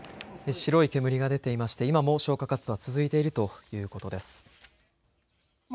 白い煙が出ていまして今も消火活動が続いているということです。